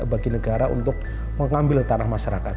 bagi negara untuk mengambil tanah masyarakat